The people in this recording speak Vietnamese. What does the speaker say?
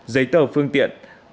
giấy tờ phương tiện